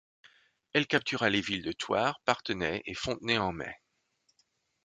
Elle captura les villes de Thouars, Parthenay et Fontenay en mai.